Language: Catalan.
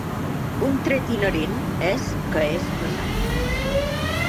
Un tret inherent és que és pesant.